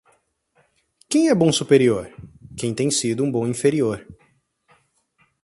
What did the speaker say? Quem é bom superior? Quem tem sido um bom inferior.